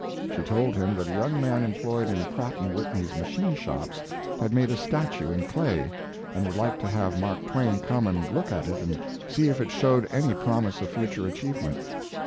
She told him that a young man employed in Pratt & Whitney's machine shops had made a statue in clay, and would like to have Mark Twain come and look at it and see if it showed any promise of future achievement.